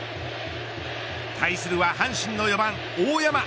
対するは阪神の４番、大山。